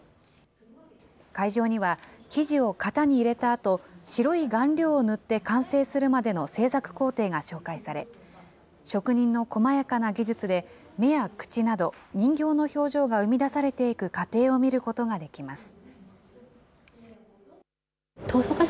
会場には、生地を型に入れたあと、白い顔料を塗って完成するまでの製作工程が紹介され、職人のこまやかな技術で、目や口など、人形の表情が生み出されていく過程を見ることができます。